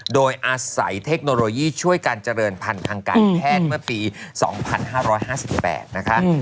โดยอาศัยเทคโนโลยีช่วยการเจริญพันธุ์ทางการแพทย์เมื่อปี๒๕๕๘นะคะ